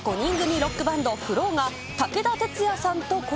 ロックバンド、ＦＬＯＷが、武田鉄矢さんとコラ